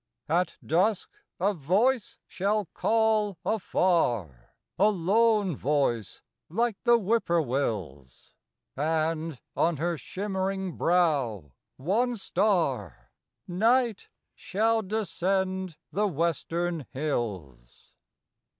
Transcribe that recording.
At dusk a voice shall call afar, A lone voice like the whippoorwill's; And, on her shimmering brow one star, Night shall descend the western hills.